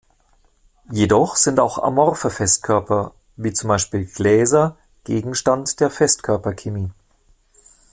Jedoch sind auch amorphe Festkörper, wie zum Beispiel Gläser, Gegenstand der Festkörperchemie.